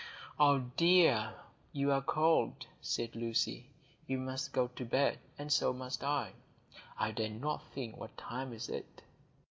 "Ah, dear, you are cold," said Lucy. "You must go to bed; and so must I. I dare not think what time it is."